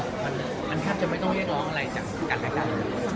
ความคับจะไม่ต้องเบี้ยงร้องอะไรจากการธะการ